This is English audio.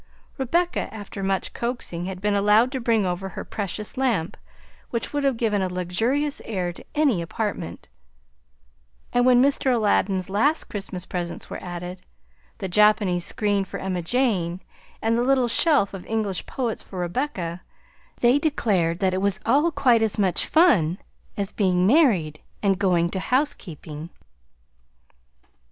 Rebecca, after much coaxing, had been allowed to bring over her precious lamp, which would have given a luxurious air to any apartment, and when Mr. Aladdin's last Christmas presents were added, the Japanese screen for Emma Jane and the little shelf of English Poets for Rebecca, they declared that it was all quite as much fun as being married and going to housekeeping.